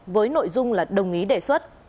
với nội dung là đồng ý đề xuất